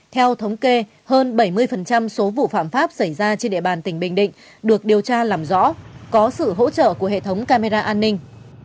theo thống kê hơn bảy mươi số vụ phạm pháp xảy ra trên địa bàn tỉnh bình định được điều tra làm rõ có sự hỗ trợ của hệ thống camera an ninh